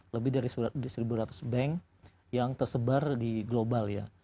lebih dari satu dua ratus bank yang tersebar di global ya